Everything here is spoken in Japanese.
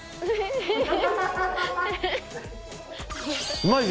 うまいぜ！